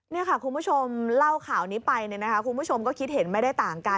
นี่ค่ะคุณผู้ชมเล่าข่าวนี้ไปคุณผู้ชมก็คิดเห็นไม่ได้ต่างกัน